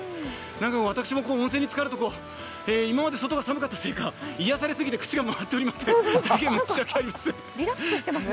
私も温泉につかると、今まで外が寒かったせいか癒やされ過ぎて口が回っておりません、申し訳ございません。